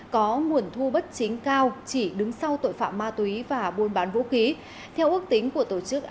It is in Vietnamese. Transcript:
có nguồn thu bất chính cao chỉ đứng sau tội phạm ma túy và buôn bán vũ khí theo ước tính của tổ chức